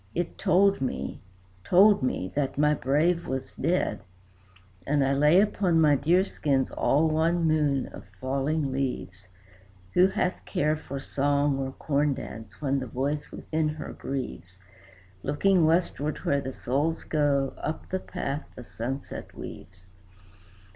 It told me told me that my brave was dead. "And I lay upon my deer skins all one moon of falling leaves (Who hath care for song or corn dance, when the voice within her grieves?), Looking westward where the souls go, up the path the sunset weaves.